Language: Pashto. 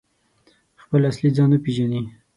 خپل اصلي ځان وپیژني؟